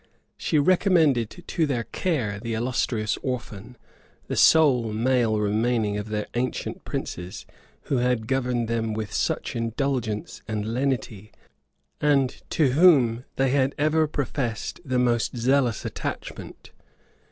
She recommended to their care the illustrious orphan, the sole male remaining of their ancient princes, who had governed them with such indulgence and lenity, and to whom they had ever professed the most zealous attachment.